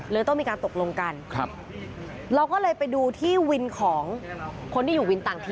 ต้องมีการตกลงกันครับเราก็เลยไปดูที่วินของคนที่อยู่วินต่างถิ่น